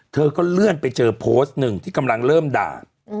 เธอก็เลื่อนไปเจอโพสต์หนึ่งที่กำลังเริ่มด่า